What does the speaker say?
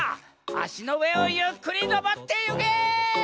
あしのうえをゆっくりのぼってゆけ！